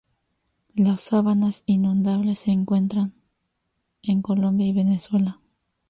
Las sabanas inundables se encuentran en Colombia y Venezuela.